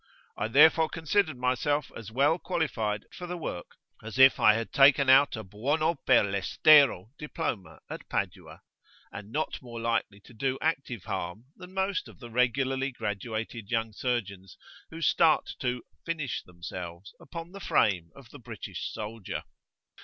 I therefore considered myself as well qualified for the work as if I had taken out a buono per l'estero diploma at Padua, and not more likely to do active harm than most of the regularly graduated young surgeons who start to "finish" themselves upon the frame of the British soldier.